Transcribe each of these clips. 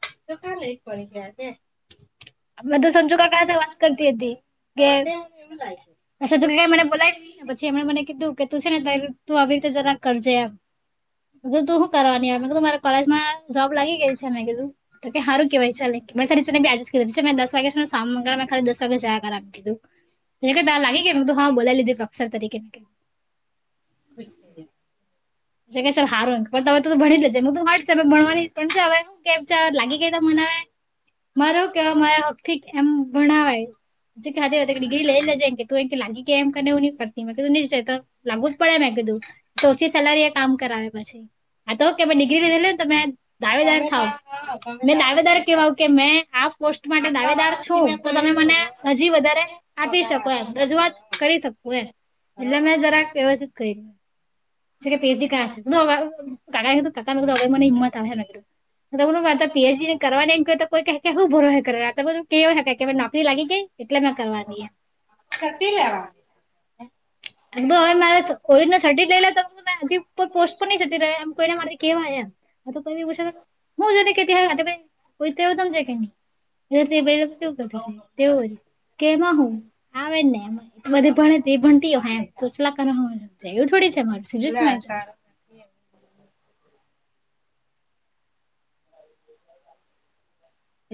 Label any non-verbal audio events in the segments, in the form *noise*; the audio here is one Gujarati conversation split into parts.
*unintelligible* મૈં તો સંજુકાકા જોડ વાત કરતી હતી. કે અ ક મને બોલાય સંજુકાકા પછી એમને કીધું કે તું છે ને તું આવી જરાક કરજે એમ તું હુ કરવાની મેં કીધું મારે કોલેજમાં જોબ લાગી ગઈ છે મેં કીધું તો કે સારું કેવાય ચાલે *unintelligible* જ કીધું છે મે દસ વાગ્યા *unintelligible* દસ *unintelligible* તો કે લાગી ગઈ ને કીધું હા બોલાય દીધી સર તરીકે એમ કે જે કે સર હારું પણ તમે તો ભણી જ લેજે તો હ *unintelligible* છે ભણવાની પણ છે હવેું કેમ ચ લાગી ગયા ત મનાવા મારો કેવા મારા હક થી એમ ભણવાય ાજ ડિગ્રી લઈ લેજે કે તું લાગી કે એમનેવું કરતી તું નિ તો લાગુ જ પડે મેં કીધું તો ઓછી સેલરી એ કામ કરાવે પછી હા તો કે નીગળી દે ને તમે દાવેદાર ખાવ મેં દાવેદાર કેવા કે મેં આ પોસ્ટ માટે દાવેદાર છું તો તમે મને હજી બ આપી શકો એ રજૂઆત કરી શકોું એ એટલે મેં જરાક વ્યવસ્થિત કર્યું સ કે પીએચડી કર છે ક કકા મ હિમત આવેું હ હું માર પીએચડીને કરવાની એમ ક તો કોઈ ક કે હું ભરો કર બધું કેયાય કે નોકરી લાગી ગઈ એટલે મેં કરવાનીમ કતી લેવા એક હવે મારા કોલેજ સર્ટી લઈ લે હજી પોસ્ટ નહી જતી ર્યો એમ કોઈને મારે કેવાય એમ આ તો તઈ ગુ મું કેટ હા બ તમ જે કેમ *unintelligible* ું કરવ કેવું છે. કેમાં હું આવે ને બધ ભણે એ ભણતી ચોચલા કરવા મા *unintelligible* જયું એવું થોડી *unintelligible*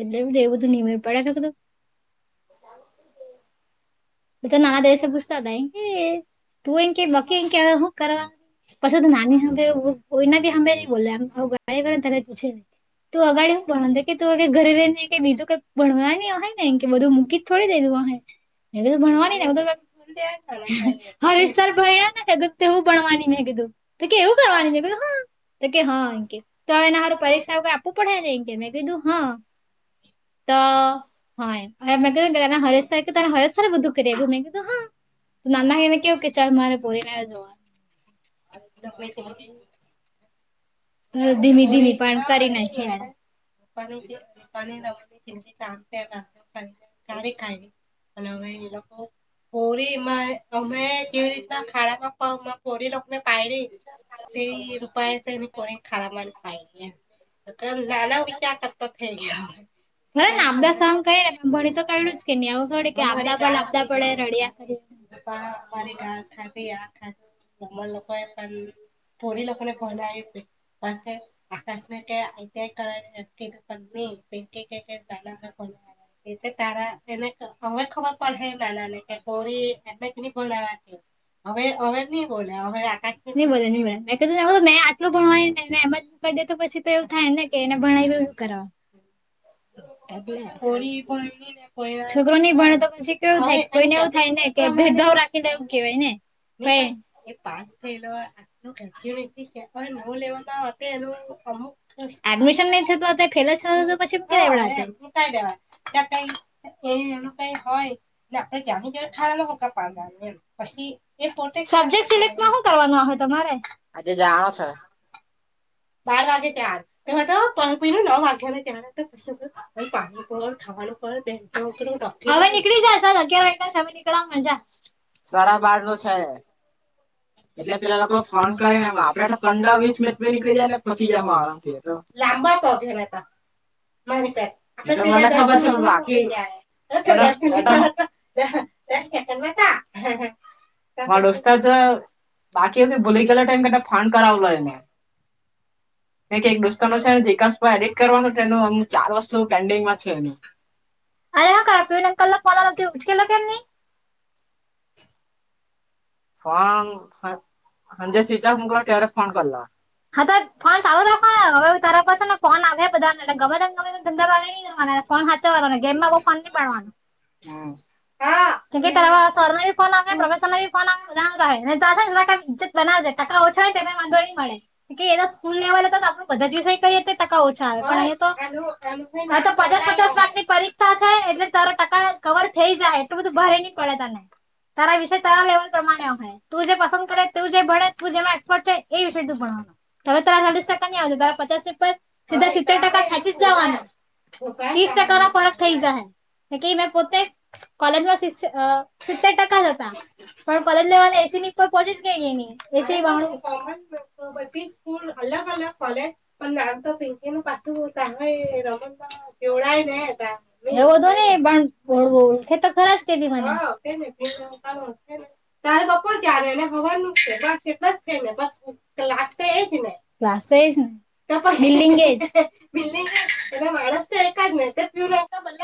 એટલે એમ એ બધું નિમ હોય પડ્યા શતો તને આ દેસે પૂછતા *unintelligible* ન કે તું એ કે બાકી કે હું કરવા પછી તો નાની સાભ હુ કોઈના બી સાભે નઇએ બોલે આમ હાવ *unintelligible* તરત પૂછે લે તું અગાડી હું ભણવાની તો કે તું ઘરે રહી ને કે બીજું કઇક ભણવાની હ ને કે બધું મૂકી જ થોડી દેધું હોધ મેં કીધું ભણવાની ને હરે સર ભાઈયા ને કધું તેવું ભણવાની મે કીધું તો કેવું કરવાની મે કીધું હા તો કે હા ંકે તો હવેને માર પરીક્ષાઈ આપું પડાય ને અકે મેં કીધું હા તો હાના હરેશ કે ત હરેશ બધું કર મે કીધું હા નાના કને કેહ કે ચાલ મારે બોરીને આવ જવા તો ધીમી ધીમી પણ કરી નાખ પાની લ ચ્યારે ક *inaudible* અને હમે એ લોકો કોરીમાં અમે કેવી રીતના ખાડામાંમાં કોરીખ ને પા ર રૂપ તને કો ખરા માની પ લના વિચાર કરતા થઈ ગ હ ને આપદા સામ ક ને ભણી તો ક્યું જ કે નહી આવું થડી આપદા પડ આપદા પડે રડિયા કરી ા અમારી ગ ખાતી આ ખાધ અર લોકો થોડી લોકો લોકોને ભનાવી કે આકાશમાં કે આઈટીઆઈ કરની્ય પે તારા એને ખર ખબર પણ હ નાના ને કે ગોરી એમને બનાવા ક અવે અર ન બોલ્યા અ આકાશ પર બો ન બો મે એટલું ભણવાયનેને એમ જ કરી દે તો પછી તો એવું થાય ને કે એને ભણાવ એવું કરાવ છોકરોની ભણ તો પછી કેવું થાય કોઈ એવું થાય ને કે ભેદાભાવ રાખીનેે એવું કેવાય ને ભાઈ પા થેલો ઘ નવું લેવા અમુ એડમિશન નહી થતું ફેલે પછી ગઠાય દવા ત એ એનું કઈ હોય ને આપડે જાણી કે ખારા ન ફકા પાડ એમ પછી એ પોતે સબ્જેક્ટ સિલેક્ટમાં હું કરવાનું આવે હો તમારે જે જાણો છ બાર વાગે ત્યાાર એ તોપ નવ વાગ્યા ને તાર હતા પાણી પ ખવા નીકળી જા નીકળવા માંડ્ સારા બારમાંછ એટલે પેલા લોકો ફોન કરે ને આપડે તો પંંદર વીસ મિનટ પચી જ માળસ લાંબા પગે હતા *unintelligible* *unintelligible* મા ડોસ્તા બાકી હો કે ભૂલી ગલા ટાઈમ કતા ફાડ કરાવલો એને મે કે એક દોસ્તા નો છે જિકાસભાઈ એડિટ કરવાનો તેનું ચાર વસ્તુ પેન્ડિંગમાં છે. અરે હા ક પીવન કલલા કોનામાંથી ઉચકેલા કેમની. ફોન હંદે સવીચક મુગલો ્યારે ફોન કરલા હા ફોન સારુ રાખવાનું હવે તાર પાસે ને ફોન આવ બધાને ગમે ગમે ધંધાવા નહી કરવાના ફોન સાચાવાને ગેમમાં કોઈ ફોન નહ પાડવાનું *unintelligible* હા *inaudible* *unintelligible* બધા જ વિ કઈ ટકા ઓછા આવે પણ અ તો તો પચાસ પચાસ લાખ ની પરીક્ષા એટલે તારા ટકા કવર થઈ જાય એટલું બધું ભારે નહી પડે તને તારા વિષય તારા લેવાનું પસંદ કરે તું જે ભણે તતું જેમાં એક્સપર્ટ છે એ વિશે ભણવા નું ત આવ પચ રૂપિયા સીધ સિત્ર ટકા હ્યાચ જવાના *unintelligible* ત્રીસ ટકા નો ફરક થઇ જ હે. કે મેં પોતે કોલેજમાં સિત્તેર ટકા જ હતા. પણ પરત લેવાની એસી ની ઉપર પહોંચી જ ગ ન એસી વા *unintelligible* કોલે પણ નામ તો પિંકી નું પાઠવું હતા હ રમણમાં કેવડા નહ હતા *unintelligible* એવો તોો ને પણડ ખેતો ખરાશ કેધ મને *unintelligible* હ તારે બપોર ક્યારે એને ખવારનું છે કેટલા જ છે ને ક્લા એ જ ને ક્લા *unintelligible* ને *unintelligible*